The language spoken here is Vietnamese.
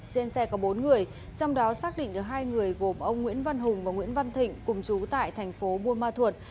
trên xe có bốn người trong đó xác định được hai người gồm ông nguyễn văn hùng và nguyễn văn thịnh cùng chú tại thành phố buôn ma thuột